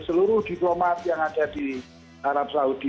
seluruh diplomat yang ada di arab saudi